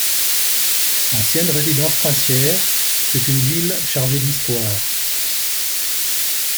Ancienne résidence princière, c'est une ville chargée d'histoire.